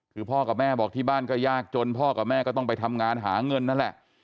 คือพ่อกับแม่บอกที่บ้านก็ยากจนพ่อกับแม่ก็ต้องไปทำงานหาเงินนั่นแหละ